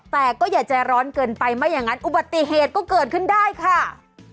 แต่ก็อย่าใจร้อนเกินไปไม่อย่างนั้นอุบัติเหตุก็เกิดขึ้นได้ค่ะ